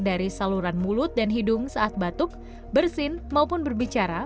dari saluran mulut dan hidung saat batuk bersin maupun berbicara